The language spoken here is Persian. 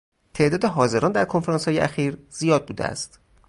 تعداد حاضران در کنفرانسهای اخیر زیاد بوده است.